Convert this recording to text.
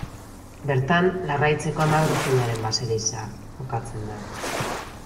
Bertan Larraitzeko Ama Birjinaren baseliza kokatzen da.